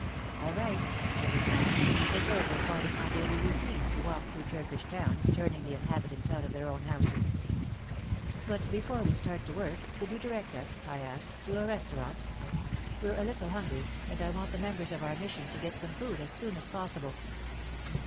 '* All right," I replied, as though it were part of my daily routine to walk through Turkish towns turning the inhabitants out of their own houses. But before we start to work, could you direct us," I asked, "to a restaurant? We're a little hungry, and I want the members of our mission to get some food as soon as possible."